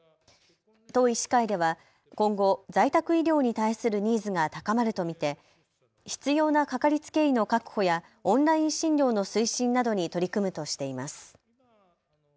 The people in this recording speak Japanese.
都医師会では今後、在宅医療に対するニーズが高まると見て必要なかかりつけ医の確保やオンライン診療の推進などに取り組むとしています。